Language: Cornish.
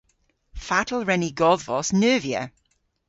Fatel wren ni godhvos neuvya?